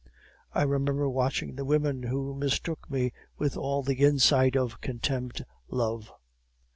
I remember watching the women who mistook me with all the insight of contemned love.